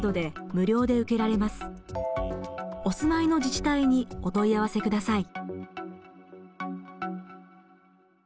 お住まいの自治体にお問い合わせください。